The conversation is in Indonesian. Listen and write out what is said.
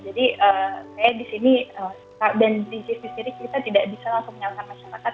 jadi kayak di sini dan di sisi sendiri kita tidak bisa langsung menyalahkan masyarakat